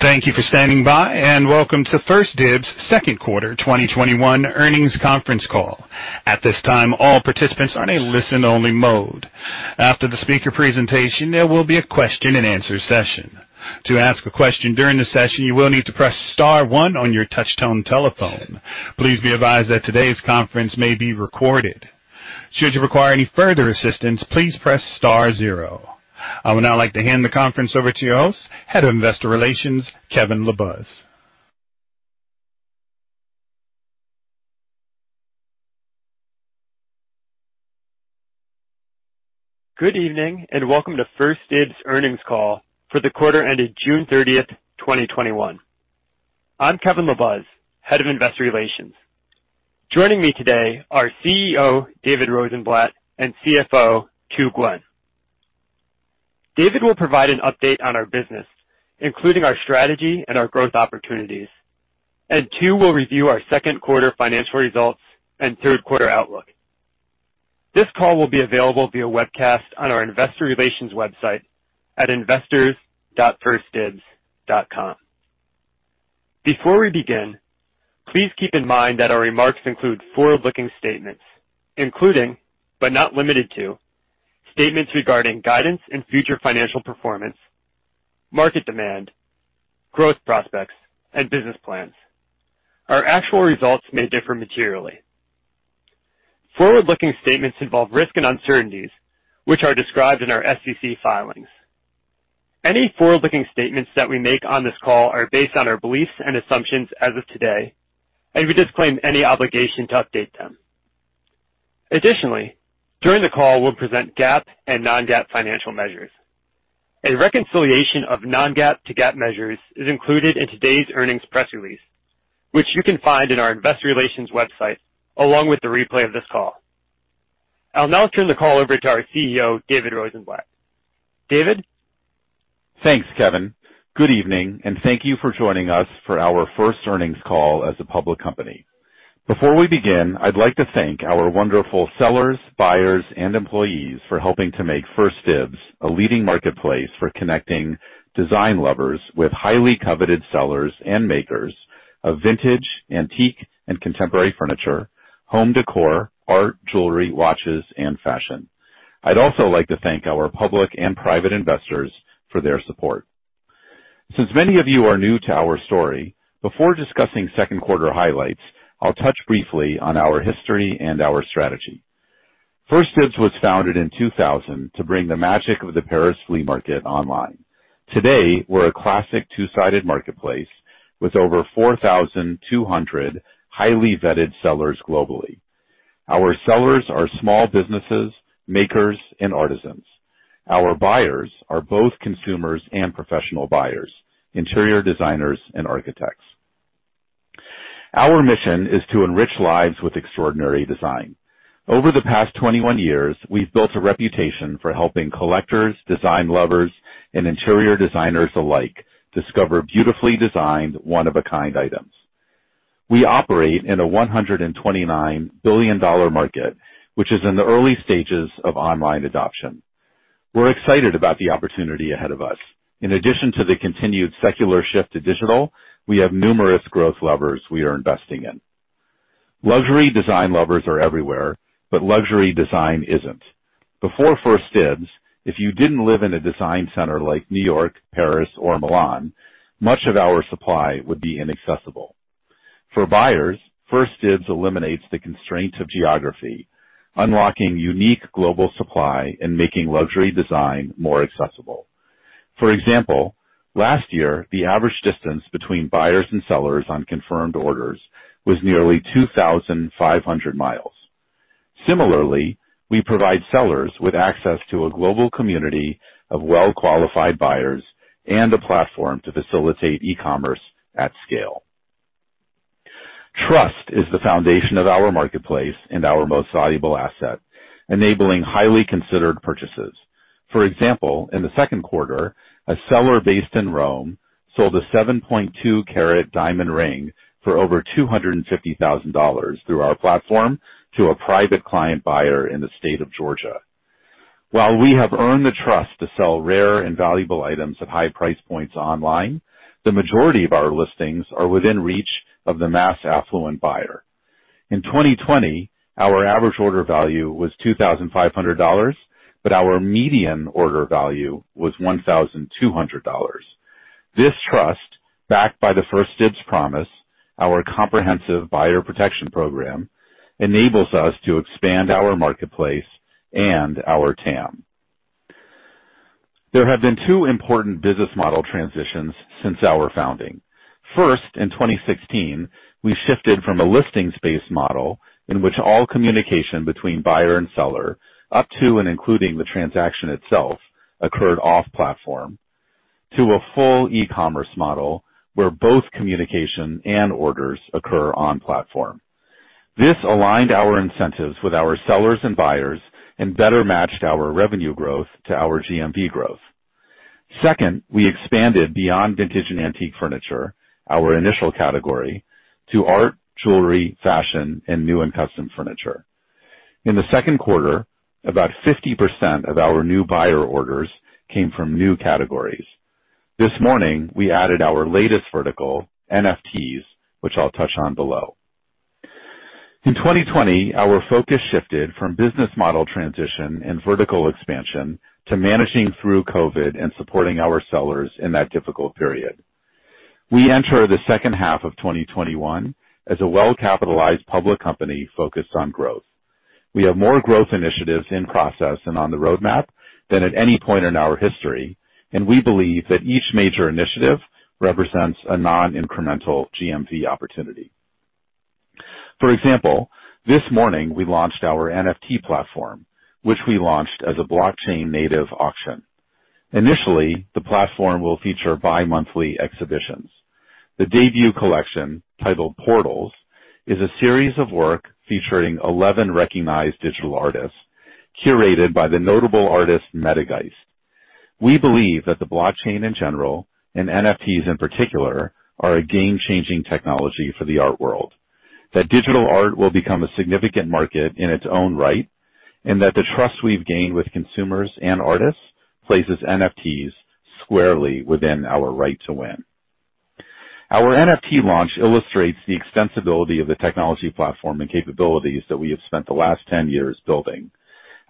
Thank you for standing by, and welcome to 1stDibs' Q2 2021 earnings conference call. I would now like to hand the conference over to your host, Head of Investor Relations, Kevin LaBuz. Good evening, and welcome to 1stDibs' earnings call for the quarter ended June 30th, 2021. I'm Kevin LaBuz, Head of Investor Relations. Joining me today are CEO, David Rosenblatt, and CFO, Tu Nguyen. David will provide an update on our business, including our strategy and our growth opportunities. Tu will review our Q2 financial results and Q3 outlook. This call will be available via webcast on our investor relations website at investors.1stDibs.com. Before we begin, please keep in mind that our remarks include forward-looking statements, including, but not limited to, statements regarding guidance and future financial performance, market demand, growth prospects, and business plans. Our actual results may differ materially. Forward-looking statements involve risk and uncertainties, which are described in our SEC filings. Any forward-looking statements that we make on this call are based on our beliefs and assumptions as of today, and we disclaim any obligation to update them. Additionally, during the call, we will present GAAP and non-GAAP financial measures. A reconciliation of non-GAAP to GAAP measures is included in today's earnings press release, which you can find in our investor relations website, along with the replay of this call. I will now turn the call over to our CEO, David Rosenblatt. David? Thanks, Kevin. Good evening, and thank you for joining us for our first earnings call as a public company. Before we begin, I'd like to thank our wonderful sellers, buyers, and employees for helping to make 1stDibs a leading marketplace for connecting design lovers with highly coveted sellers and makers of vintage, antique, and contemporary furniture, home decor, art, jewelry, watches, and fashion. I'd also like to thank our public and private investors for their support. Since many of you are new to our story, before discussing Q2 highlights, I'll touch briefly on our history and our strategy. 1stDibs was founded in 2000 to bring the magic of the Paris flea market online. Today, we're a classic two-sided marketplace with over 4,200 highly vetted sellers globally. Our sellers are small businesses, makers, and artisans. Our buyers are both consumers and professional buyers, interior designers, and architects. Our mission is to enrich lives with extraordinary design. Over the past 21 years, we've built a reputation for helping collectors, design lovers, and interior designers alike discover beautifully designed, one of a kind items. We operate in a $129 billion market, which is in the early stages of online adoption. We're excited about the opportunity ahead of us. In addition to the continued secular shift to digital, we have numerous growth levers we are investing in. Luxury design lovers are everywhere, but luxury design isn't. Before 1stDibs, if you didn't live in a design center like New York, Paris, or Milan, much of our supply would be inaccessible. For buyers, 1stDibs eliminates the constraints of geography, unlocking unique global supply and making luxury design more accessible. For example, last year, the average distance between buyers and sellers on confirmed orders was nearly 2,500 miles. Similarly, we provide sellers with access to a global community of well-qualified buyers and a platform to facilitate e-commerce at scale. Trust is the foundation of our marketplace and our most valuable asset, enabling highly considered purchases. For example, in the Q2, a seller based in Rome sold a 7.2 carat diamond ring for over $250,000 through our platform to a private client buyer in the state of Georgia. While we have earned the trust to sell rare and valuable items at high price points online, the majority of our listings are within reach of the mass affluent buyer. In 2020, our average order value was $2,500, but our median order value was $1,200. This trust, backed by the 1stDibs Promise, our comprehensive buyer protection program, enables us to expand our marketplace and our TAM. There have been two important business model transitions since our founding. First, in 2016, we shifted from a listings-based model in which all communication between buyer and seller, up to and including the transaction itself, occurred off platform, to a full e-commerce model where both communication and orders occur on platform. This aligned our incentives with our sellers and buyers and better matched our revenue growth to our GMV growth. Second, we expanded beyond vintage and antique furniture, our initial category, to art, jewelry, fashion, and new and custom furniture. In the Q2, about 50% of our new buyer orders came from new categories. This morning, we added our latest vertical, NFTs, which I'll touch on below. In 2020, our focus shifted from business model transition and vertical expansion to managing through COVID-19 and supporting our sellers in that difficult period. We enter the second half of 2021 as a well-capitalized public company focused on growth. We have more growth initiatives in process and on the roadmap than at any point in our history. We believe that each major initiative represents a non-incremental GMV opportunity. For example, this morning we launched our NFT platform, which we launched as a blockchain native auction. Initially, the platform will feature bi-monthly exhibitions. The debut collection, titled Portals, is a series of work featuring 11 recognized digital artists, curated by the notable artist Metageist. We believe that the blockchain in general, and NFTs in particular, are a game-changing technology for the art world, that digital art will become a significant market in its own right. The trust we've gained with consumers and artists places NFTs squarely within our right to win. Our NFT launch illustrates the extensibility of the technology platform and capabilities that we have spent the last 10 years building.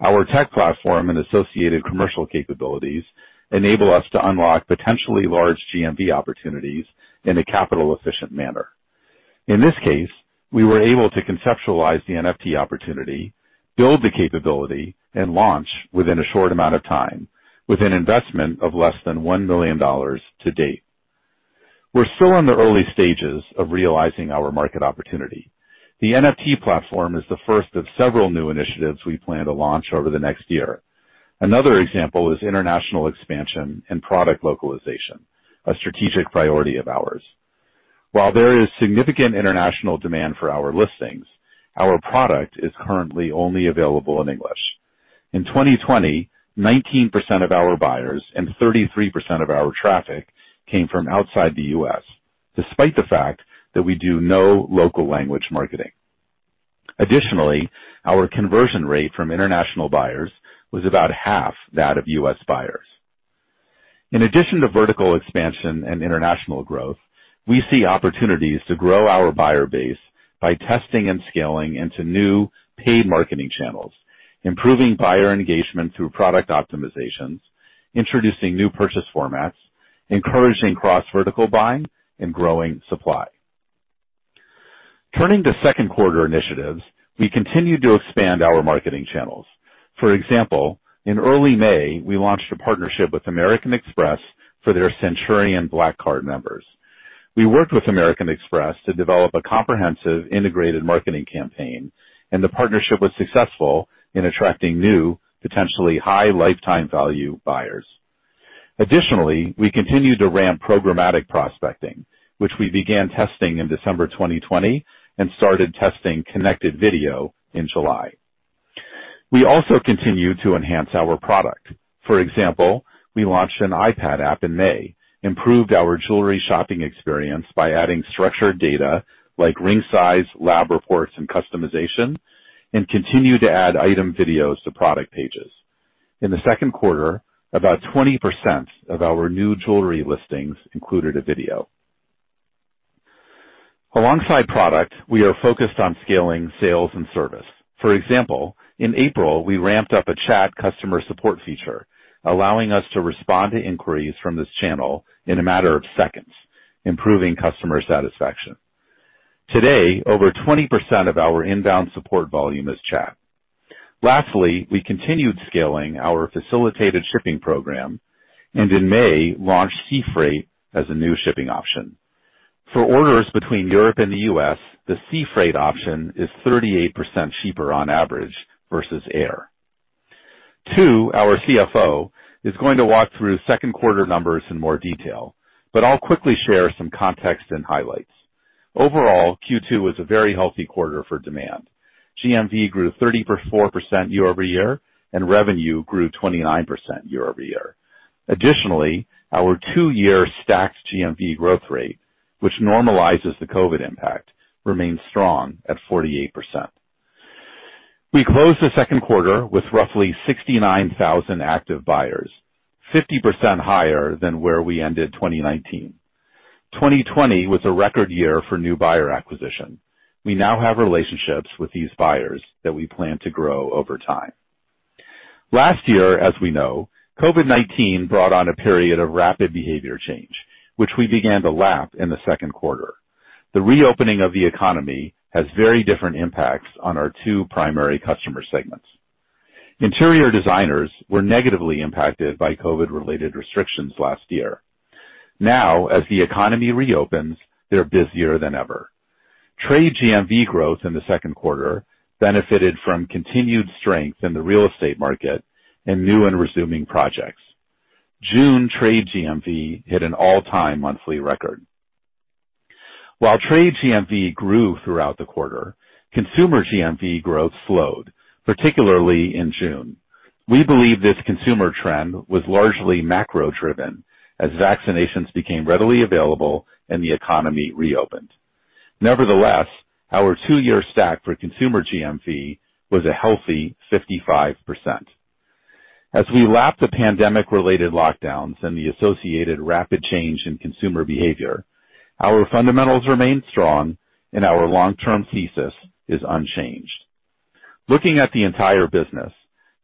Our tech platform and associated commercial capabilities enable us to unlock potentially large GMV opportunities in a capital-efficient manner. In this case, we were able to conceptualize the NFT opportunity, build the capability, and launch within a short amount of time with an investment of less than $1 million to date. We're still in the early stages of realizing our market opportunity. The NFT platform is the first of several new initiatives we plan to launch over the next year. Another example is international expansion and product localization, a strategic priority of ours. While there is significant international demand for our listings, our product is currently only available in English. In 2020, 19% of our buyers and 33% of our traffic came from outside the U.S., despite the fact that we do no local language marketing. Additionally, our conversion rate from international buyers was about half that of U.S. buyers. In addition to vertical expansion and international growth, we see opportunities to grow our buyer base by testing and scaling into new paid marketing channels, improving buyer engagement through product optimizations, introducing new purchase formats, encouraging cross-vertical buying, and growing supply. Turning to Q2 initiatives, we continued to expand our marketing channels. For example, in early May, we launched a partnership with American Express for their Centurion Black Card members. We worked with American Express to develop a comprehensive integrated marketing campaign, and the partnership was successful in attracting new, potentially high lifetime value buyers. Additionally, we continued to ramp programmatic prospecting, which we began testing in December 2020 and started testing connected video in July. We also continued to enhance our product. For example, we launched an iPad app in May, improved our jewelry shopping experience by adding structured data like ring size, lab reports, and customization, and continued to add item videos to product pages. In the Q2, about 20% of our new jewelry listings included a video. Alongside product, we are focused on scaling sales and service. For example, in April, we ramped up a chat customer support feature, allowing us to respond to inquiries from this channel in a matter of seconds, improving customer satisfaction. Today, over 20% of our inbound support volume is chat. Lastly, we continued scaling our facilitated shipping program and in May, launched sea freight as a new shipping option. For orders between Europe and the U.S., the sea freight option is 38% cheaper on average versus air. Tu, our CFO is going to walk through Q2 numbers in more detail, but I'll quickly share some context and highlights. Overall, Q2 was a very healthy quarter for demand. GMV grew 34% year-over-year, revenue grew 29% year-over-year. Additionally, our two-year stacked GMV growth rate, which normalizes the COVID impact, remains strong at 48%. We closed the Q2 with roughly 69,000 active buyers, 50% higher than where we ended 2019. 2020 was a record year for new buyer acquisition. We now have relationships with these buyers that we plan to grow over time. Last year, as we know, COVID-19 brought on a period of rapid behavior change, which we began to lap in the Q2. The reopening of the economy has very different impacts on our two primary customer segments. Interior designers were negatively impacted by COVID-related restrictions last year. Now, as the economy reopens, they're busier than ever. Trade GMV growth in the Q2 benefited from continued strength in the real estate market and new and resuming projects. June trade GMV hit an all-time monthly record. While trade GMV grew throughout the quarter, consumer GMV growth slowed, particularly in June. We believe this consumer trend was largely macro-driven as vaccinations became readily available and the economy reopened. Nevertheless, our two-year stack for consumer GMV was a healthy 55%. As we lap the pandemic-related lockdowns and the associated rapid change in consumer behavior, our fundamentals remain strong, and our long-term thesis is unchanged. Looking at the entire business,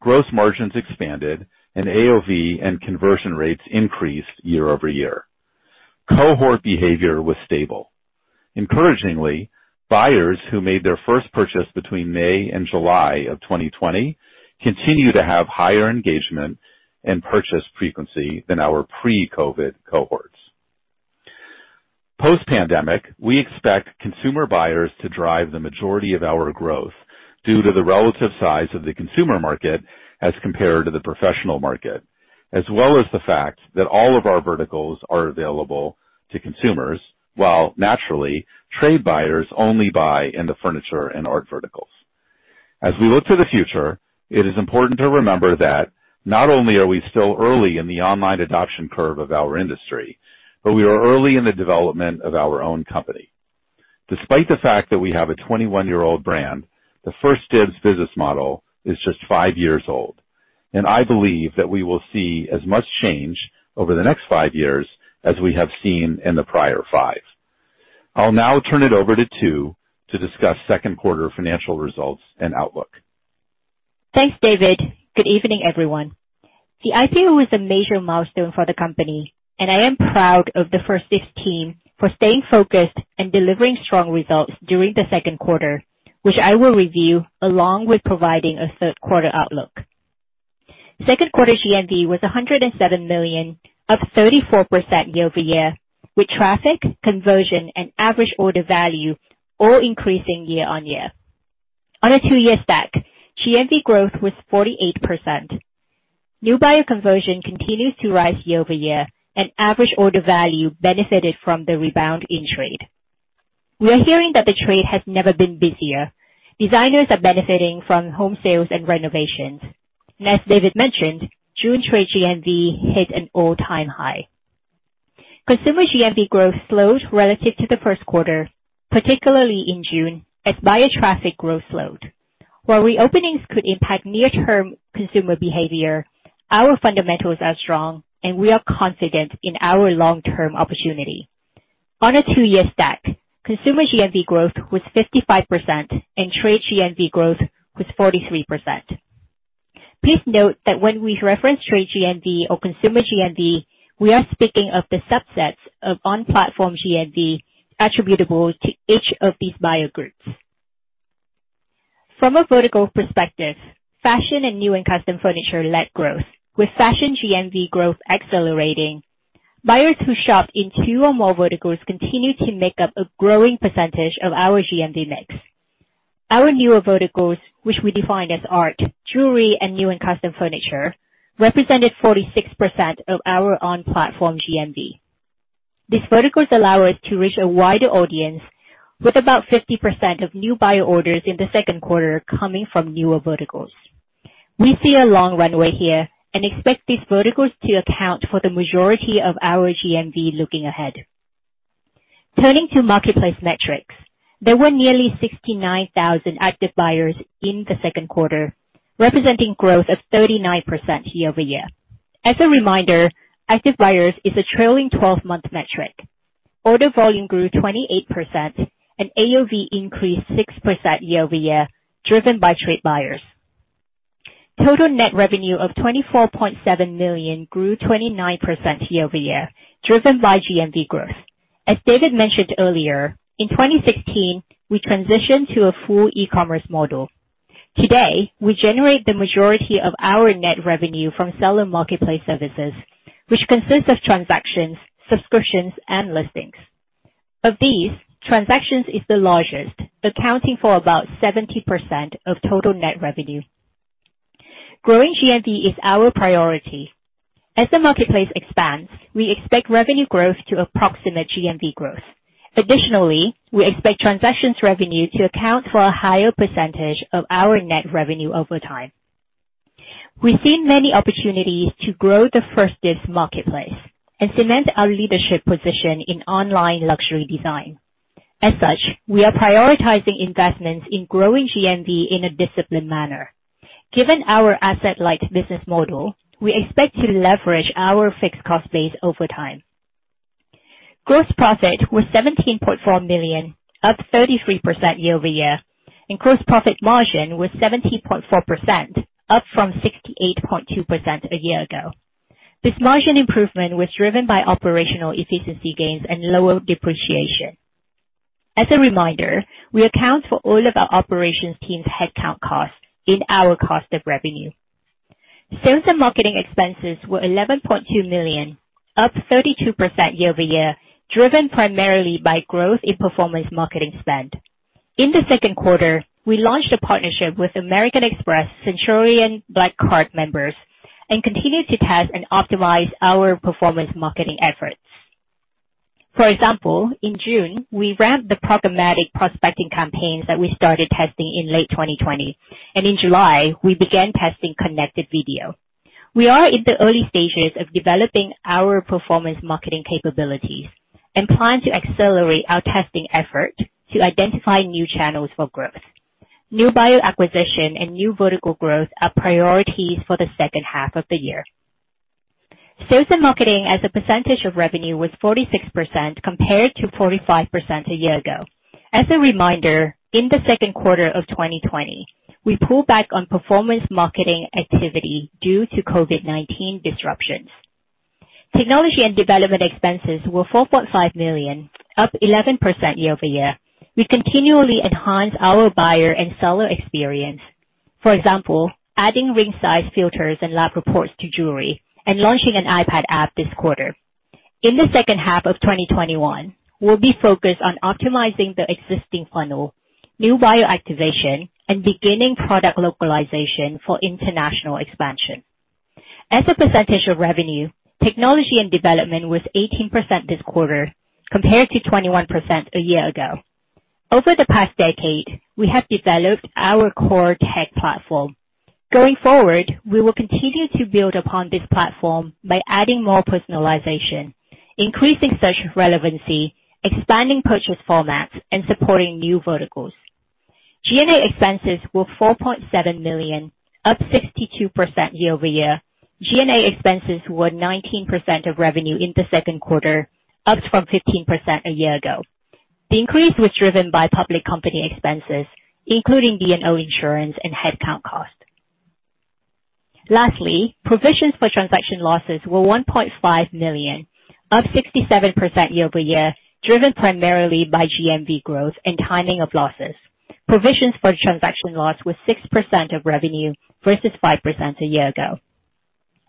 gross margins expanded and AOV and conversion rates increased year-over-year. Cohort behavior was stable. Encouragingly, buyers who made their first purchase between May and July of 2020 continue to have higher engagement and purchase frequency than our pre-COVID cohorts. Post-pandemic, we expect consumer buyers to drive the majority of our growth due to the relative size of the consumer market as compared to the professional market, as well as the fact that all of our verticals are available to consumers, while naturally, trade buyers only buy in the furniture and art verticals. We look to the future, it is important to remember that not only are we still early in the online adoption curve of our industry, but we are early in the development of our own company. Despite the fact that we have a 21-year-old brand, the 1stDibs business model is just five years old, and I believe that we will see as much change over the next five years as we have seen in the prior five. I'll now turn it over to Tu to discuss Q2 financial results and outlook. Thanks, David. Good evening, everyone. The IPO is a major milestone for the company, and I am proud of the 1stDibs team for staying focused and delivering strong results during the Q2, which I will review along with providing a Q3 outlook. Q2 GMV was $107 million, up 34% year-over-year, with traffic, conversion, and average order value all increasing year-on-year. On a two-year stack, GMV growth was 48%. New buyer conversion continues to rise year-over-year, and average order value benefited from the rebound in trade. We are hearing that the trade has never been busier. Designers are benefiting from home sales and renovations. As David mentioned, June trade GMV hit an all-time high. Consumer GMV growth slowed relative to the Q1, particularly in June, as buyer traffic growth slowed. While reopenings could impact near-term consumer behavior, our fundamentals are strong, and we are confident in our long-term opportunity. On a two-year stack, consumer GMV growth was 55% and trade GMV growth was 43%. Please note that when we reference trade GMV or consumer GMV, we are speaking of the subsets of on-platform GMV attributable to each of these buyer groups. From a vertical perspective, fashion and new and custom furniture led growth, with fashion GMV growth accelerating. Buyers who shop in 2 or more verticals continue to make up a growing percentage of our GMV mix. Our newer verticals, which we define as art, jewelry, and new and custom furniture, represented 46% of our on-platform GMV. These verticals allow us to reach a wider audience with about 50% of new buyer orders in the Q2 coming from newer verticals. We see a long runway here and expect these verticals to account for the majority of our GMV looking ahead. Turning to marketplace metrics. There were nearly 69,000 active buyers in the Q2, representing growth of 39% year-over-year. As a reminder, active buyers is a trailing 12-month metric. Order volume grew 28%, and AOV increased 6% year-over-year, driven by trade buyers. Total net revenue of $24.7 million grew 29% year-over-year, driven by GMV growth. As David mentioned earlier, in 2016, we transitioned to a full e-commerce model. Today, we generate the majority of our net revenue from seller marketplace services, which consists of transactions, subscriptions, and listings. Of these, transactions is the largest, accounting for about 70% of total net revenue. Growing GMV is our priority. As the marketplace expands, we expect revenue growth to approximate GMV growth. Additionally, we expect transactions revenue to account for a higher percentage of our net revenue over time. We've seen many opportunities to grow the 1stDibs marketplace and cement our leadership position in online luxury design. As such, we are prioritizing investments in growing GMV in a disciplined manner. Given our asset-light business model, we expect to leverage our fixed cost base over time. Gross profit was $17.4 million, up 33% year-over-year, and gross profit margin was 17.4%, up from 68.2% a year ago. This margin improvement was driven by operational efficiency gains and lower depreciation. As a reminder, we account for all of our operations team's headcount cost in our cost of revenue. Sales and marketing expenses were $11.2 million, up 32% year-over-year, driven primarily by growth in performance marketing spend. In the Q2, we launched a partnership with American Express Centurion Black Card members and continued to test and optimize our performance marketing efforts. For example, in June, we ramped the programmatic prospecting campaigns that we started testing in late 2020. In July, we began testing connected video. We are in the early stages of developing our performance marketing capabilities and plan to accelerate our testing effort to identify new channels for growth. New buyer acquisition and new vertical growth are priorities for the second half of the year. Sales and marketing as a percentage of revenue was 46% compared to 45% a year ago. As a reminder, in the Q2 of 2020, we pulled back on performance marketing activity due to COVID-19 disruptions. Technology and development expenses were $4.5 million, up 11% year-over-year. We continually enhance our buyer and seller experience. For example, adding ring size filters and lab reports to jewelry and launching an iPad app this quarter. In the second half of 2021, we'll be focused on optimizing the existing funnel, new buyer activation, and beginning product localization for international expansion. As a percentage of revenue, technology and development was 18% this quarter, compared to 21% a year ago. Over the past decade, we have developed our core tech platform. Going forward, we will continue to build upon this platform by adding more personalization, increasing search relevancy, expanding purchase formats, and supporting new verticals. G&A expenses were $4.7 million, up 62% year-over-year. G&A expenses were 19% of revenue in the Q2, up from 15% a year ago. The increase was driven by public company expenses, including D&O insurance and headcount cost. Lastly, provisions for transaction losses were $1.5 million, up 67% year-over-year, driven primarily by GMV growth and timing of losses. Provisions for transaction loss was 6% of revenue versus 5% a year ago.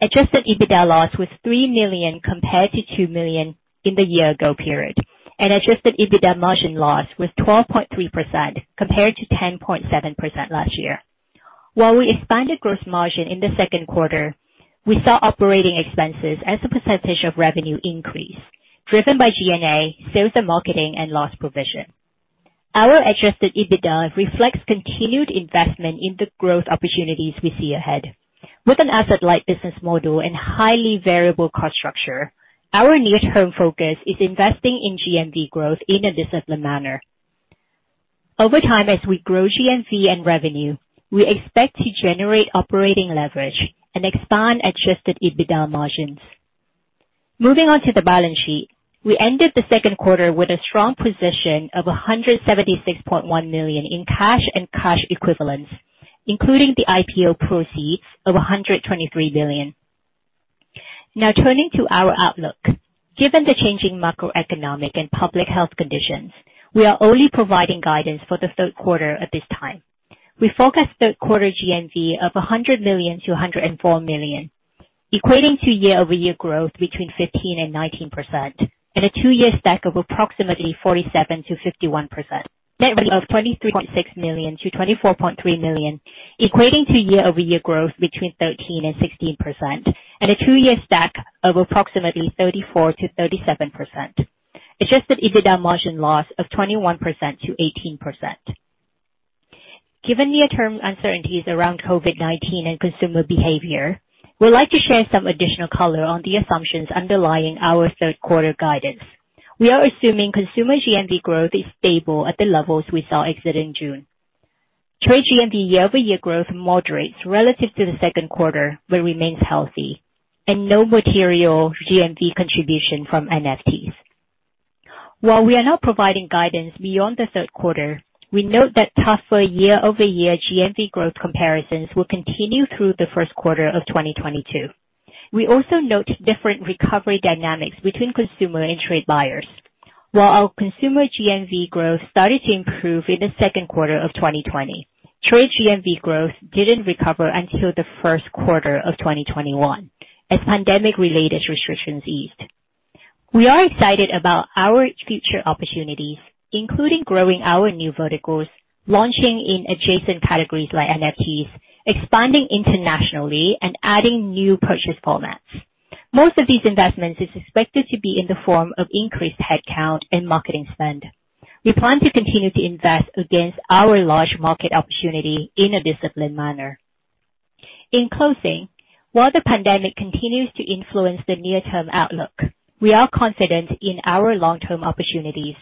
Adjusted EBITDA loss was $3 million compared to $2 million in the year ago period, and adjusted EBITDA margin loss was 12.3% compared to 10.7% last year. While we expanded gross margin in the Q2, we saw operating expenses as a percentage of revenue increase, driven by G&A, sales and marketing, and loss provision. Our adjusted EBITDA reflects continued investment in the growth opportunities we see ahead. With an asset-light business model and highly variable cost structure, our near-term focus is investing in GMV growth in a disciplined manner. Over time, as we grow GMV and revenue, we expect to generate operating leverage and expand adjusted EBITDA margins. Moving on to the balance sheet. We ended the Q2 with a strong position of $176.1 million in cash and cash equivalents, including the IPO proceeds of $123 million. Turning to our outlook. Given the changing macroeconomic and public health conditions, we are only providing guidance for the Q3 at this time. We forecast Q3 GMV of $100 million-$104 million, equating to year-over-year growth between 15% and 19%, and a two-year stack of approximately 47%-51%. Net revenue of $23.6 million-$24.3 million, equating to year-over-year growth between 13% and 16%, and a two-year stack of approximately 34%-37%. Adjusted EBITDA margin loss of 21%-18%. Given near-term uncertainties around COVID-19 and consumer behavior, we'd like to share some additional color on the assumptions underlying our Q3 guidance. We are assuming consumer GMV growth is stable at the levels we saw exit in June. Trade GMV year-over-year growth moderates relative to the Q2 but remains healthy, and no material GMV contribution from NFTs. While we are not providing guidance beyond the Q3, we note that tougher year-over-year GMV growth comparisons will continue through the Q1 of 2022. We also note different recovery dynamics between consumer and trade buyers. While our consumer GMV growth started to improve in the Q2 of 2020, trade GMV growth didn't recover until the Q1 of 2021, as pandemic-related restrictions eased. We are excited about our future opportunities, including growing our new verticals, launching in adjacent categories like NFTs, expanding internationally, and adding new purchase formats. Most of these investments are expected to be in the form of increased headcount and marketing spend. We plan to continue to invest against our large market opportunity in a disciplined manner. In closing, while the pandemic continues to influence the near-term outlook, we are confident in our long-term opportunities.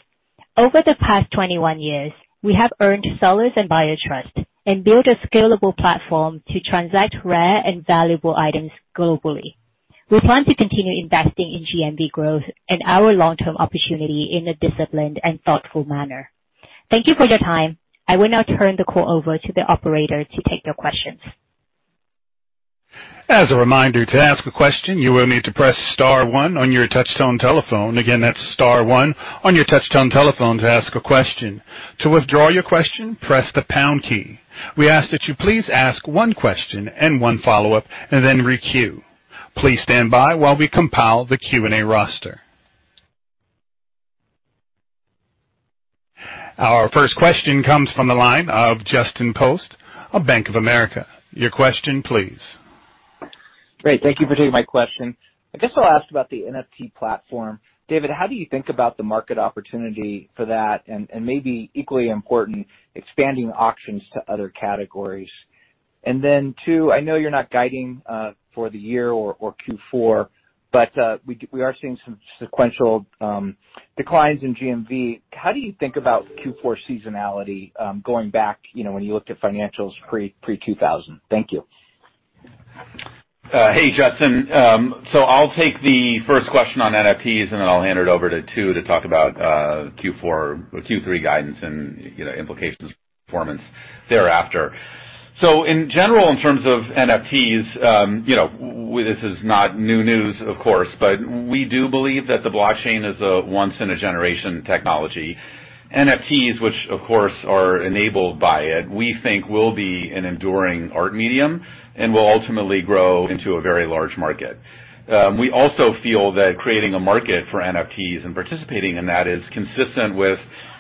Over the past 21 years, we have earned sellers and buyer trust and built a scalable platform to transact rare and valuable items globally. We plan to continue investing in GMV growth and our long-term opportunity in a disciplined and thoughtful manner. Thank you for your time. I will now turn the call over to the operator to take your questions. Our first question comes from the line of Justin Post of Bank of America. Your question, please. Great. Thank you for taking my question. I guess I'll ask about the NFT platform. David, how do you think about the market opportunity for that and maybe equally important, expanding auctions to other categories? 2, I know you're not guiding for the year or Q4, but we are seeing some sequential declines in GMV. How do you think about Q4 seasonality going back, when you looked at financials pre-2000? Thank you. Hey, Justin. I'll take the 1st question on NFTs, and then I'll hand it over to Tu to talk about Q3 guidance and implications performance thereafter. In general, in terms of NFTs, this is not new news, of course, but we do believe that the blockchain is a once-in-a-generation technology. NFTs, which of course are enabled by it, we think will be an enduring art medium and will ultimately grow into a very large market. We also feel that creating a market for NFTs and participating in that is consistent with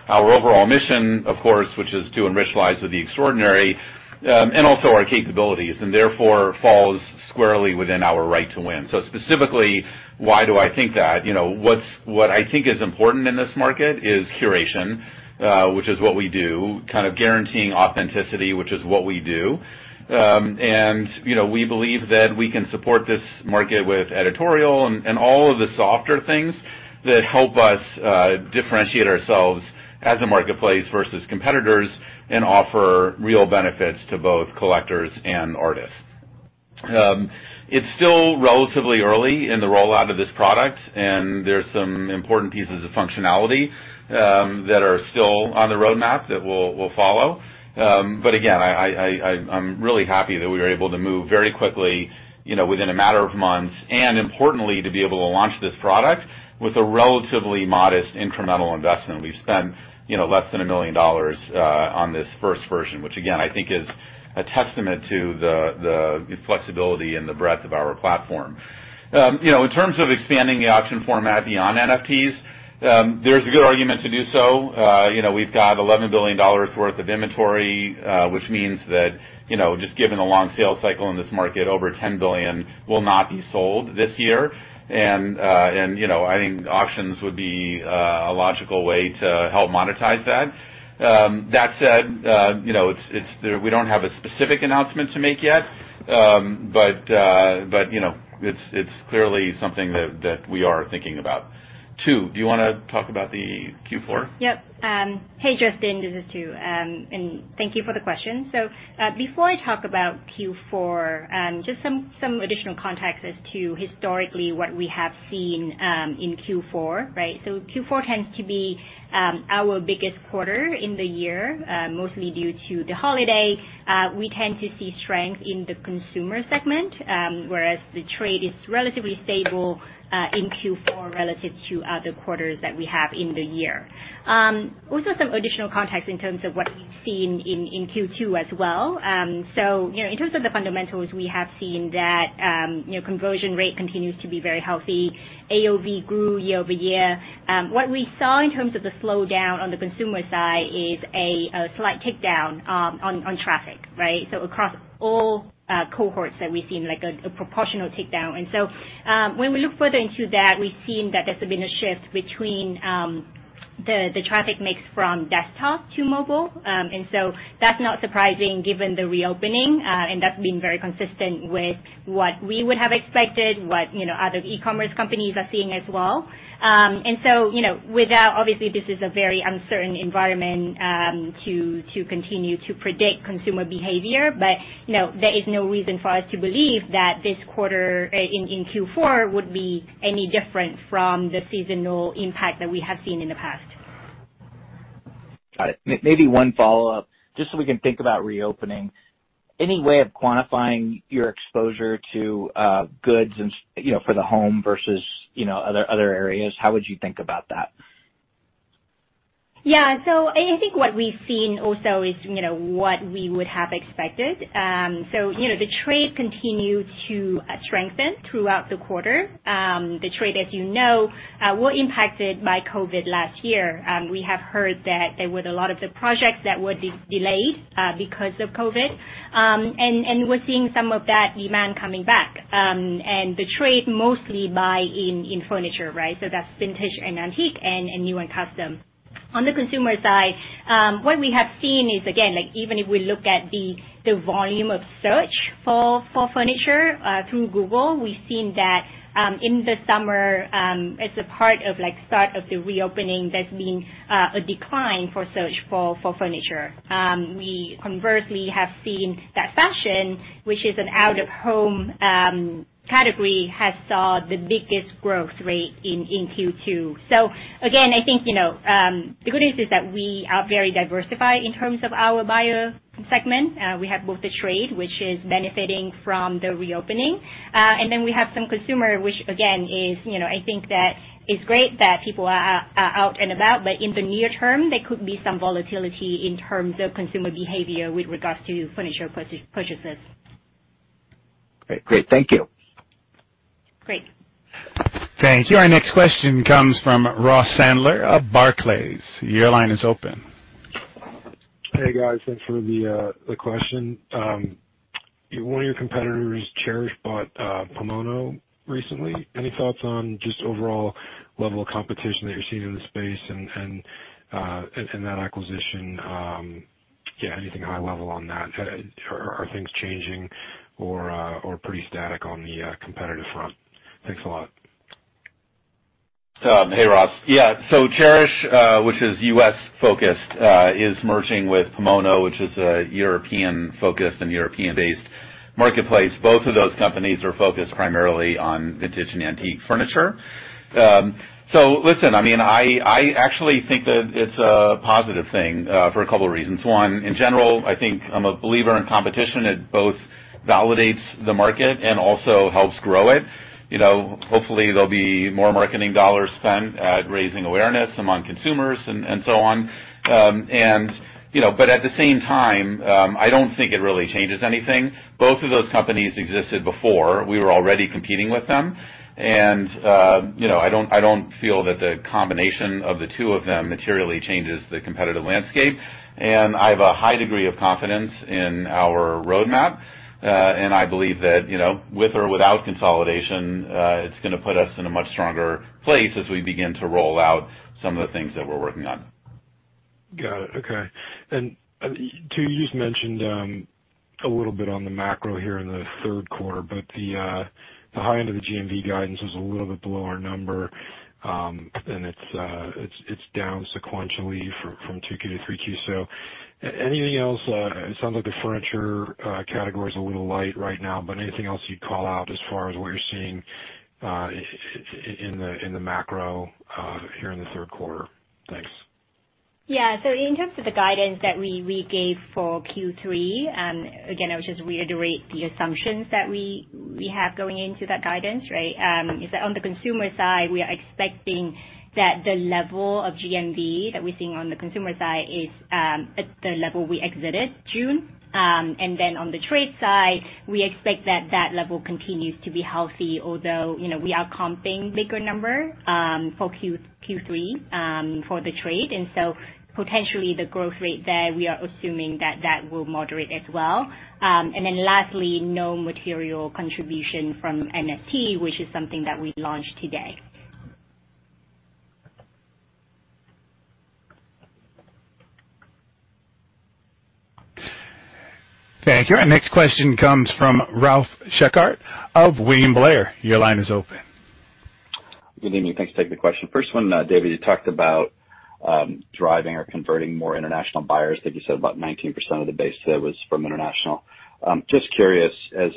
our overall mission, of course, which is to enrich lives with the extraordinary, and also our capabilities, and therefore falls squarely within our right to win. Specifically, why do I think that? What I think is important in this market is curation, which is what we do, kind of guaranteeing authenticity, which is what we do. We believe that we can support this market with editorial and all of the softer things that help us differentiate ourselves as a marketplace versus competitors and offer real benefits to both collectors and artists. It's still relatively early in the rollout of this product, and there's some important pieces of functionality that are still on the roadmap that we'll follow. Again, I'm really happy that we were able to move very quickly within a matter of months, and importantly, to be able to launch this product with a relatively modest incremental investment. We've spent less than $1 million on this first version, which again, I think is a testament to the flexibility and the breadth of our platform. In terms of expanding the auction format beyond NFTs, there's a good argument to do so. We've got $11 billion worth of inventory, which means that, just given the long sales cycle in this market, over $10 billion will not be sold this year. I think auctions would be a logical way to help monetize that. That said, we don't have a specific announcement to make yet. It's clearly something that we are thinking about. Tu, do you want to talk about the Q4? Yep. Hey, Justin, this is Tu, and thank you for the question. Before I talk about Q4, just some additional context as to historically what we have seen in Q4, right? Q4 tends to be our biggest quarter in the year, mostly due to the holiday. We tend to see strength in the consumer segment, whereas the trade is relatively stable in Q4 relative to other quarters that we have in the year. Also, some additional context in terms of what we've seen in Q2 as well. In terms of the fundamentals, we have seen that conversion rate continues to be very healthy. AOV grew year-over-year. What we saw in terms of the slowdown on the consumer side is a slight tick down on traffic, right? Across all cohorts that we've seen, like a proportional tick down. When we look further into that, we've seen that there's been a shift between the traffic mix from desktop to mobile. That's not surprising given the reopening, and that's been very consistent with what we would have expected, what other e-commerce companies are seeing as well. Obviously, this is a very uncertain environment to continue to predict consumer behavior. No, there is no reason for us to believe that this quarter in Q4 would be any different from the seasonal impact that we have seen in the past. Got it. Maybe 1 follow-up, just so we can think about reopening. Any way of quantifying your exposure to goods for the home versus other areas? How would you think about that? I think what we've seen also is what we would have expected. The trade continued to strengthen throughout the quarter. The trade, as you know, were impacted by COVID last year. We have heard that there were a lot of the projects that were delayed because of COVID, and we're seeing some of that demand coming back. The trade mostly buys furniture, right? That's vintage and antique and new and custom. On the consumer side, what we have seen is, again, even if we look at the volume of search for furniture through Google, we've seen that in the summer, as part of the start of the reopening, there's been a decline for search for furniture. We conversely have seen that fashion, which is an out-of-home category, has saw the biggest growth rate in Q2. Again, I think the good news is that we are very diversified in terms of our buyer segment. We have both the trade, which is benefiting from the reopening, and then we have some consumer, which again, I think that it's great that people are out and about. In the near term, there could be some volatility in terms of consumer behavior with regards to furniture purchases. Great. Thank you. Great. Thank you. Our next question comes from Ross Sandler of Barclays. Your line is open. Hey, guys. Thanks for the question. One of your competitors, Chairish, bought Pamono recently. Any thoughts on just overall level of competition that you're seeing in the space and that acquisition? Yeah, anything high level on that? Are things changing or pretty static on the competitive front? Thanks a lot. Hey, Ross. Yeah. Chairish, which is U.S.-focused, is merging with Pamono, which is a European-focused and European-based marketplace. Both of those companies are focused primarily on vintage and antique furniture. Listen, I actually think that it's a positive thing for a couple of reasons. One, in general, I think I'm a believer in competition. It both validates the market and also helps grow it. Hopefully, there'll be more marketing dollars spent at raising awareness among consumers and so on. At the same time, I don't think it really changes anything. Both of those companies existed before. We were already competing with them, and I don't feel that the combination of the two of them materially changes the competitive landscape. I have a high degree of confidence in our roadmap, and I believe that with or without consolidation, it's going to put us in a much stronger place as we begin to roll out some of the things that we're working on. Got it. Okay. Tu, you just mentioned a little bit on the macro here in the Q3, but the high end of the GMV guidance was a little bit below our number. It's down sequentially from 2Q to 3Q. Anything else? It sounds like the furniture category is a little light right now, but anything else you'd call out as far as what you're seeing in the macro here in the Q3? Thanks. In terms of the guidance that we gave for Q3, again, I would just reiterate the assumptions that we have going into that guidance, that on the consumer side, we are expecting that the level of GMV that we're seeing on the consumer side is at the level we exited June. On the trade side, we expect that that level continues to be healthy, although we are comping bigger number for Q3 for the trade. Potentially the growth rate there, we are assuming that that will moderate as well. Lastly, no material contribution from NFT, which is something that we launched today. Thank you. Our next question comes from Ralph Schackart of William Blair. Your line is open. Good evening. Thanks for taking the question. First one, David, you talked about driving or converting more international buyers. I think you said about 19% of the base there was from international. Just curious, as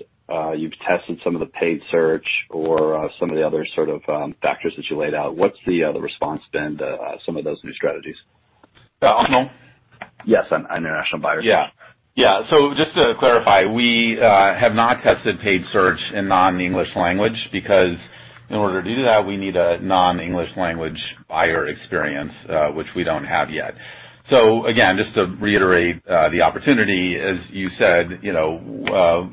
you've tested some of the paid search or some of the other sort of factors that you laid out, what's the response been to some of those new strategies? On international? Yes, on international buyers. Just to clarify, we have not tested paid search in non-English language because in order to do that, we need a non-English language buyer experience, which we don't have yet. Again, just to reiterate the opportunity, as you said, the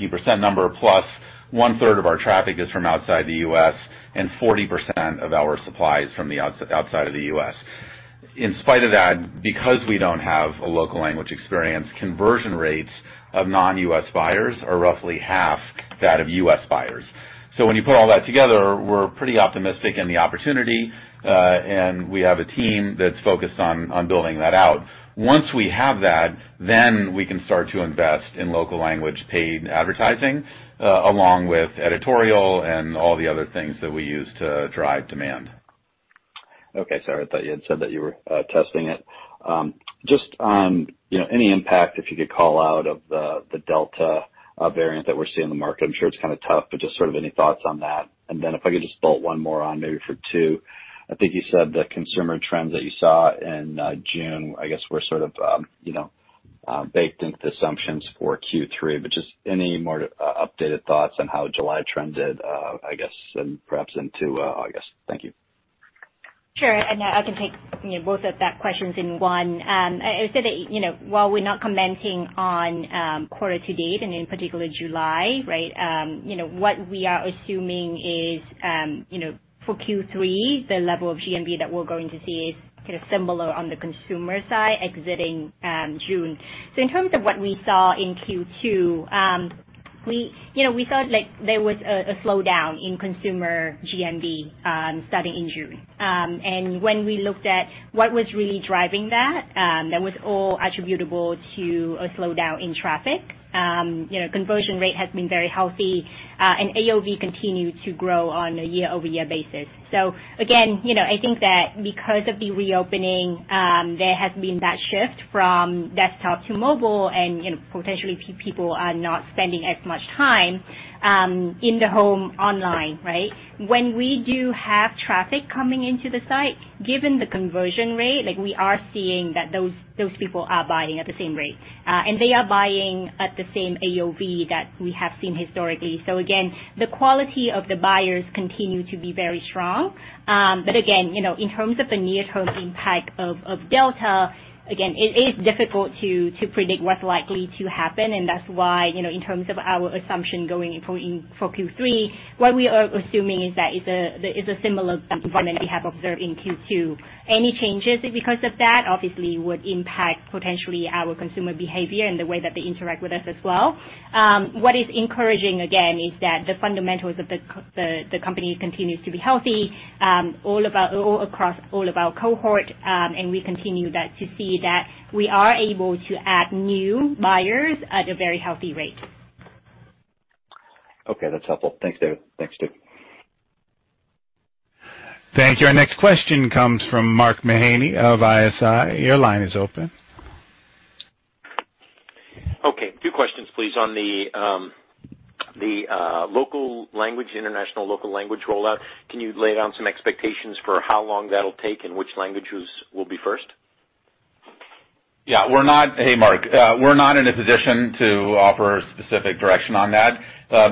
19% number plus one-third of our traffic is from outside the U.S., and 40% of our supply is from the outside of the U.S. In spite of that, because we don't have a local language experience, conversion rates of non-U.S. buyers are roughly half that of U.S. buyers. When you put all that together, we're pretty optimistic in the opportunity, and we have a team that's focused on building that out. Once we have that, then we can start to invest in local language paid advertising, along with editorial and all the other things that we use to drive demand. Okay. Sorry, I thought you had said that you were testing it. Any impact, if you could call out, of the Delta variant that we're seeing in the market? I'm sure it's kind of tough, but just sort of any thoughts on that. If I could just bolt one more on maybe for Tu. I think you said the consumer trends that you saw in June, I guess, were sort of baked into the assumptions for Q3, but just any more updated thoughts on how July trended, I guess, and perhaps into August. Thank you. Sure, I can take both of that questions in one. I would say that while we're not commenting on quarter to date, and in particular July, what we are assuming is, for Q3, the level of GMV that we're going to see is kind of similar on the consumer side exiting June. In terms of what we saw in Q2, we thought there was a slowdown in consumer GMV starting in June. When we looked at what was really driving that was all attributable to a slowdown in traffic. Conversion rate has been very healthy, and AOV continued to grow on a year-over-year basis. Again, I think that because of the reopening, there has been that shift from desktop to mobile, and potentially people are not spending as much time in the home online, right? When we do have traffic coming into the site, given the conversion rate, we are seeing that those people are buying at the same rate. They are buying at the same AOV that we have seen historically. Again, the quality of the buyers continue to be very strong. Again, in terms of the near-term impact of Delta, again, it is difficult to predict what's likely to happen, and that's why, in terms of our assumption going for Q3, what we are assuming is that it's a similar environment we have observed in Q2. Any changes because of that obviously would impact potentially our consumer behavior and the way that they interact with us as well. What is encouraging, again, is that the fundamentals of the company continues to be healthy all across all of our cohort, and we continue to see that we are able to add new buyers at a very healthy rate. Okay, that's helpful. Thanks, David. Thanks, Tu. Thank you. Our next question comes from Mark Mahaney of ISI. Your line is open. Okay, 2 questions, please. On the international local language rollout, can you lay down some expectations for how long that'll take and which languages will be first? Yeah. Hey, Mark. We're not in a position to offer specific direction on that.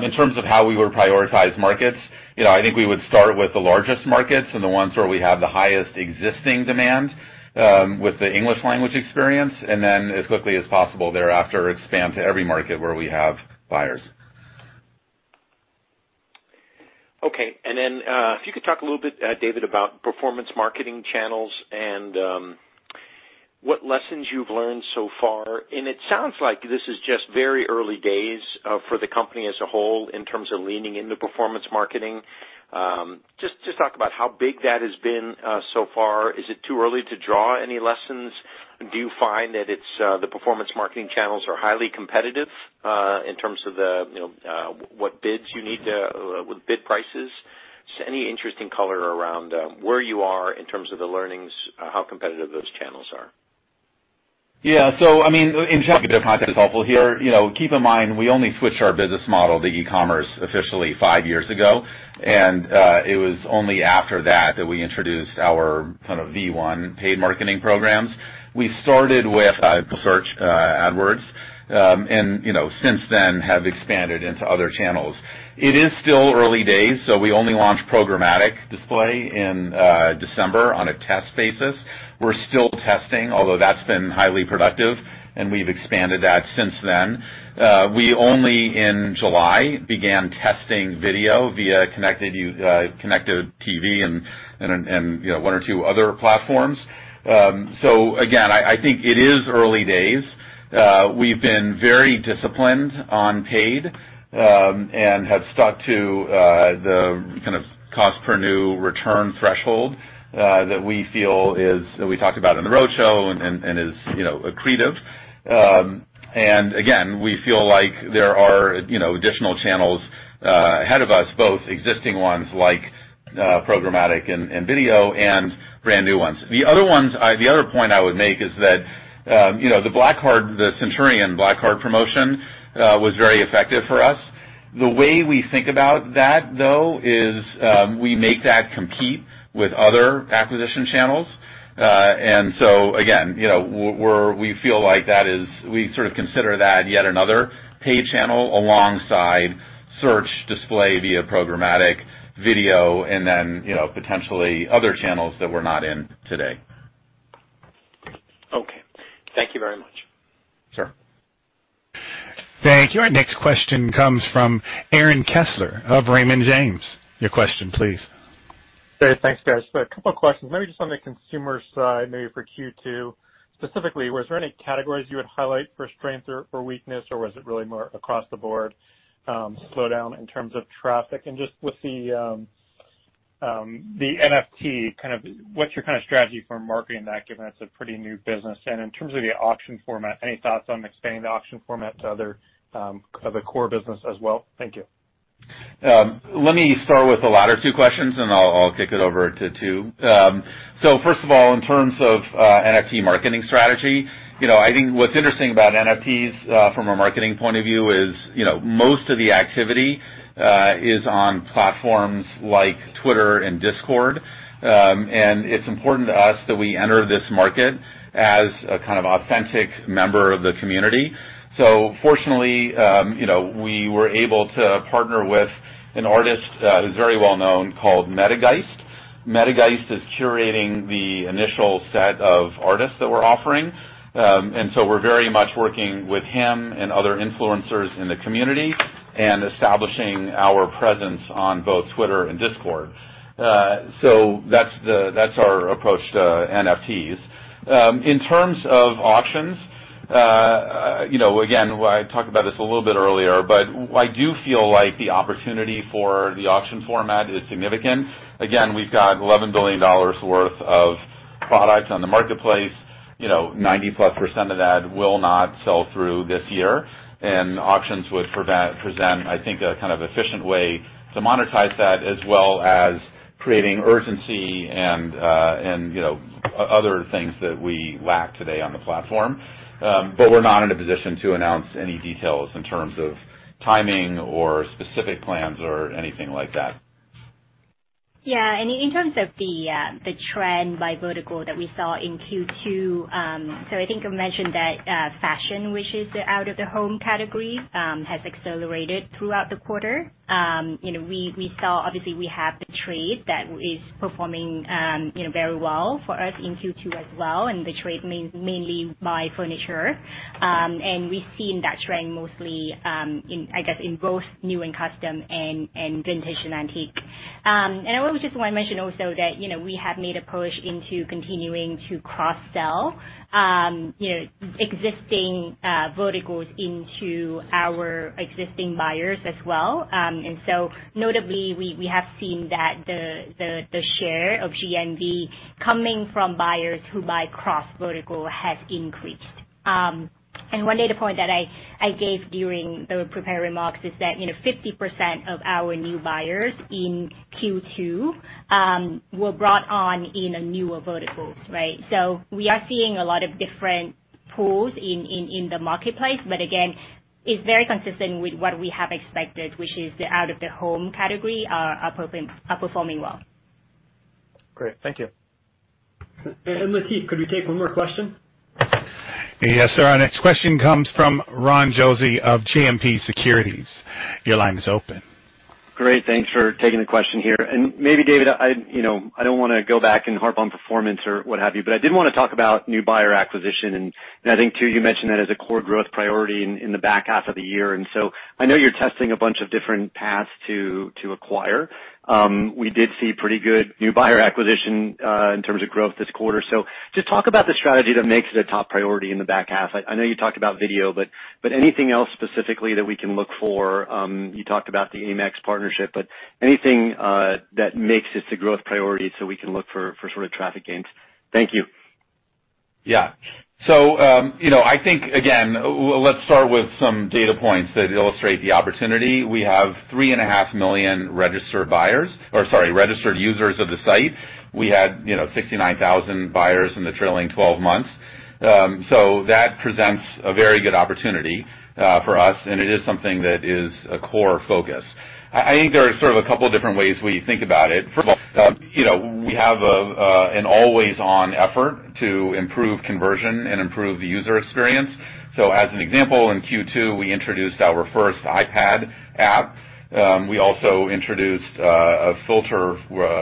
In terms of how we would prioritize markets, I think we would start with the largest markets and the ones where we have the highest existing demand with the English language experience, and then as quickly as possible thereafter, expand to every market where we have buyers. Okay. If you could talk a little bit, David, about performance marketing channels and what lessons you've learned so far. It sounds like this is just very early days for the company as a whole in terms of leaning into performance marketing. Talk about how big that has been so far. Is it too early to draw any lessons? Do you find that the performance marketing channels are highly competitive in terms of what bids you need with bid prices? Any interesting color around where you are in terms of the learnings, how competitive those channels are. In terms of context helpful here, keep in mind, we only switched our business model to e-commerce officially 5 years ago, and it was only after that that we introduced our kind of V1 paid marketing programs. We started with search AdWords, and since then have expanded into other channels. It is still early days, so we only launched programmatic display in December on a test basis. We're still testing, although that's been highly productive, and we've expanded that since then. We only in July began testing video via connected TV and 1 or 2 other platforms. Again, I think it is early days. We've been very disciplined on paid and have stuck to the kind of cost per new return threshold that we talked about in the roadshow and is accretive. Again, we feel like there are additional channels ahead of us, both existing ones like programmatic and video, and brand new ones. The other point I would make is that the Centurion Black Card promotion was very effective for us. The way we think about that, though, is we make that compete with other acquisition channels. Again, we sort of consider that yet another paid channel alongside search display via programmatic video and then potentially other channels that we're not in today. Okay. Thank you very much. Sure. Thank you. Our next question comes from Aaron Kessler of Raymond James. Your question, please. Thanks, guys. 2 questions. Maybe just on the consumer side, maybe for Q2, specifically, was there any categories you would highlight for strength or weakness, or was it really more across the board slowdown in terms of traffic? Just with the NFT, what's your kind of strategy for marketing that, given that's a pretty new business? In terms of the auction format, any thoughts on expanding the auction format to other core business as well? Thank you. Let me start with the latter two questions, and I'll kick it over to Tu. First of all, in terms of NFT marketing strategy, I think what's interesting about NFTs from a marketing point of view is most of the activity is on platforms like Twitter and Discord. It's important to us that we enter this market as a kind of authentic member of the community. Fortunately, we were able to partner with an artist who's very well known called Metageist. Metageist is curating the initial set of artists that we're offering. We're very much working with him and other influencers in the community and establishing our presence on both Twitter and Discord. That's our approach to NFTs. In terms of auctions, again, I talked about this a little bit earlier, but I do feel like the opportunity for the auction format is significant. Again, we've got $11 billion worth of products on the marketplace. 90 plus % of that will not sell through this year. Auctions would present, I think, a kind of efficient way to monetize that, as well as creating urgency and other things that we lack today on the platform. We're not in a position to announce any details in terms of timing or specific plans or anything like that. In terms of the trend by vertical that we saw in Q2, I think I mentioned that fashion, which is the out-of-the-home category has accelerated throughout the quarter. Obviously, we have the trade that is performing very well for us in Q2 as well, the trade means mainly buy furniture. We've seen that trend mostly in, I guess, in both new and custom and vintage and antique. I also just want to mention also that we have made a push into continuing to cross-sell existing verticals into our existing buyers as well. Notably, we have seen that the share of GMV coming from buyers who buy cross vertical has increased. One data point that I gave during the prepared remarks is that 50% of our new buyers in Q2 were brought on in a newer vertical. We are seeing a lot of different pools in the marketplace. Again, it's very consistent with what we have expected, which is the out-of-home category are performing well. Great. Thank you. Latif, could we take one more question? Yes, sir. Our next question comes from Ron Josey of JMP Securities. Your line is open. Great. Thanks for taking the question here. Maybe, David, I don't want to go back and harp on performance or what have you, but I did want to talk about new buyer acquisition, and I think, too, you mentioned that as a core growth priority in the back half of the year. I know you're testing a bunch of different paths to acquire. We did see pretty good new buyer acquisition in terms of growth this quarter. Just talk about the strategy that makes it a top priority in the back half. I know you talked about video, but anything else specifically that we can look for? You talked about the Amex partnership, but anything that makes this a growth priority so we can look for sort of traffic gains? Thank you. I think, again, let's start with some data points that illustrate the opportunity. We have 3.5 million registered buyers, or sorry, registered users of the site. We had 69,000 buyers in the trailing 12 months. That presents a very good opportunity for us, and it is something that is a core focus. I think there are sort of a couple different ways we think about it. First of all, we have an always-on effort to improve conversion and improve the user experience. As an example, in Q2, we introduced our first iPad app. We also introduced a filter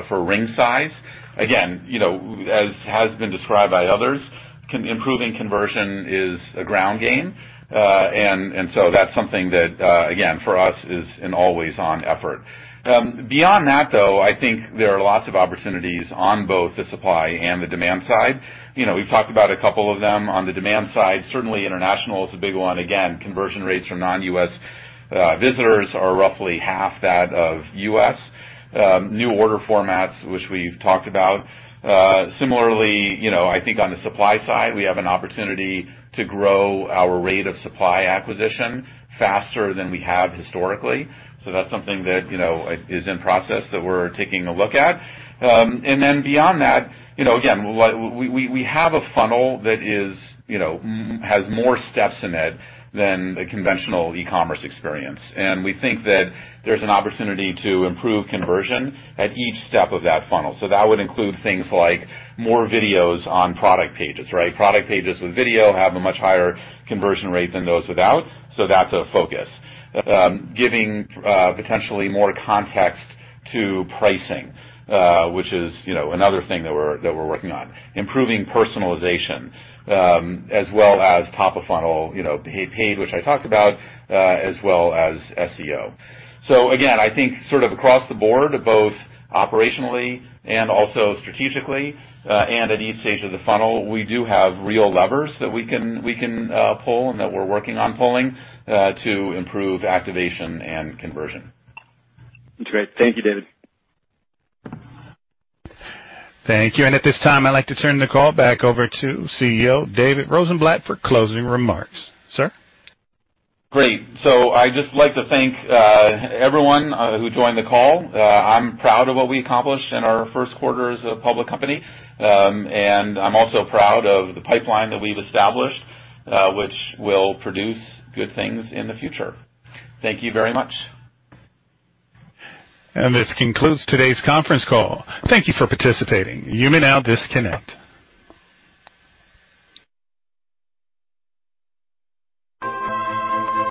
for ring size. Again, as has been described by others, improving conversion is a ground game. That's something that, again, for us, is an always-on effort. Beyond that, though, I think there are lots of opportunities on both the supply and the demand side. We've talked about a couple of them. On the demand side, certainly international is a big one. Again, conversion rates for non-U.S. visitors are roughly half that of U.S. New order formats, which we've talked about. Similarly, I think on the supply side, we have an opportunity to grow our rate of supply acquisition faster than we have historically. That's something that is in process that we're taking a look at. Beyond that, again, we have a funnel that has more steps in it than a conventional e-commerce experience. We think that there's an opportunity to improve conversion at each step of that funnel. That would include things like more videos on product pages. Product pages with video have a much higher conversion rate than those without. That's a focus. Giving potentially more context to pricing, which is another thing that we're working on. Improving personalization, as well as top-of-funnel paid, which I talked about, as well as SEO. Again, I think sort of across the board, both operationally and also strategically, and at each stage of the funnel, we do have real levers that we can pull and that we're working on pulling to improve activation and conversion. That's great. Thank you, David. Thank you. At this time, I'd like to turn the call back over to CEO David Rosenblatt for closing remarks. Sir? Great. I'd just like to thank everyone who joined the call. I'm proud of what we accomplished in our Q1 as a public company. I'm also proud of the pipeline that we've established, which will produce good things in the future. Thank you very much. This concludes today's conference call. Thank you for participating. You may now disconnect.